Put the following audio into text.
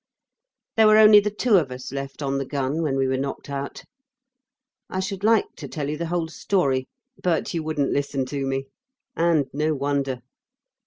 There were only the two of us left on the gun when we were knocked out.... I should like to tell you the whole story, but you wouldn't listen to me. And no wonder.